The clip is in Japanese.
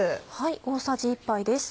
大さじ１杯です。